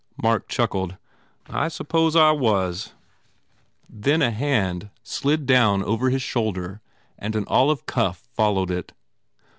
Mark chuckled, "I suppose I was," then a hand slid down over his shoulder and an olive cuff followed it.